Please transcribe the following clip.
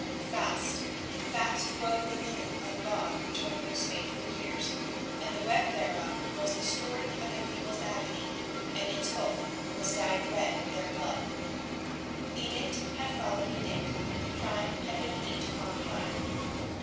Fast, fast wove the loom of God during those fateful years, and the web thereof was the story of a people's agony and its woof was dyed red with their blood. Edict had followed edict, crime had been heaped upon crime.